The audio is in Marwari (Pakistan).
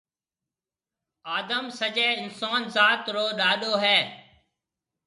آدم سجَي اِنسون ذات رو ڏاڏو هيَ۔